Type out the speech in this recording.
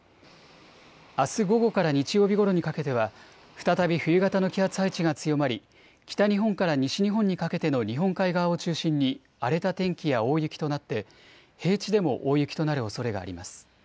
あす午後から日曜日ごろにかけては再び冬型の気圧配置が強まり、北日本から西日本にかけての日本海側を中心に荒れた天気や大雪となって平地でも大雪となるおそれがあります。